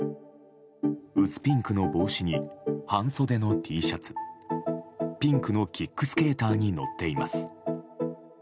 薄ピンクの帽子に半袖のＴシャツピンクのキックスケーターに乗っています。